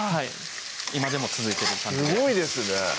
今でも続いてる感じですごいですね